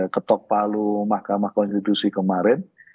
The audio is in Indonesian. ketok palu mahkamah konstitusi kemarin